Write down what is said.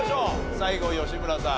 最後吉村さん